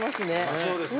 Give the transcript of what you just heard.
そうですか。